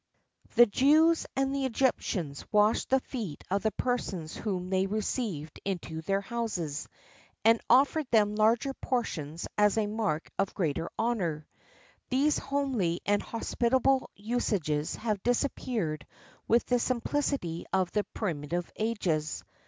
The Jews and the Egyptians washed the feet of the persons whom they received into their houses, and offered them larger portions as a mark of greater honour.[XXXIV 1] These homely and hospitable usages have disappeared with the simplicity of the primitive ages.